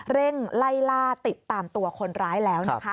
เร่งไล่ล่าติดตามตัวคนร้ายแล้วนะคะ